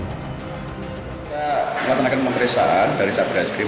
kita melakukan pemeriksaan dari sabra skrim